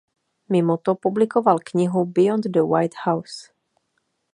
Mimoto publikoval knihu "Beyond the White House".